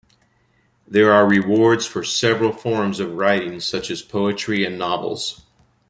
There are awards for several forms of writing such as poetry and novels.